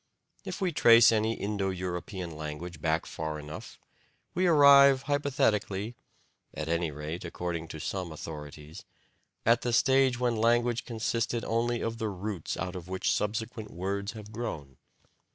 If we trace any Indo European language back far enough, we arrive hypothetically (at any rate according to some authorities) at the stage when language consisted only of the roots out of which subsequent words have grown.